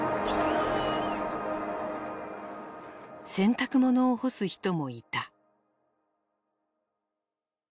洗濯物を干す人もいた。